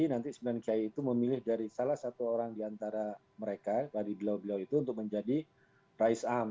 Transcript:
nanti sembilan kiai itu memilih dari salah satu orang diantara mereka dari beliau beliau itu untuk menjadi rais am